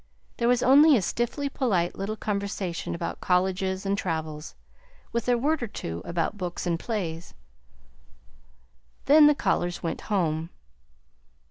There was only a stiffly polite little conversation about colleges and travels, with a word or two about books and plays. Then the callers went home.